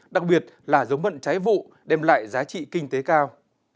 đặc biệt là giống mận trái vụ đem lại giá trị kinh tế cao